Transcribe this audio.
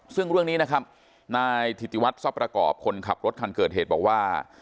ซึ่งเรื่องนี้นะครับนายถิติวัตรทรัพย์ประกอบคนขับรถคันเกิดเหตุบอกว่า